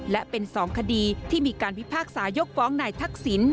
และเป็น๒คดีที่มีการพิพากษายกฟ้องนายทักษิณ